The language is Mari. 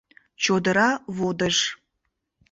Чодыра водыж!..